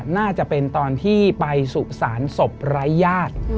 น่าจะเป็นตอนที่ไปสุสานศพไร้ญาติ